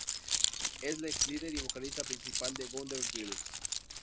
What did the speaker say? Es la ex líder y vocalista principal de Wonder Girls.